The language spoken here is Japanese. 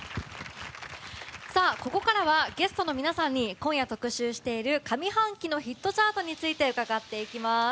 さあここからはゲストの皆さんに今夜特集している上半期のヒットチャートについて伺っていきます。